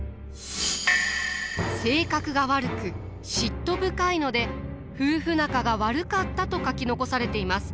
性格が悪く嫉妬深いので夫婦仲が悪かったと書き残されています。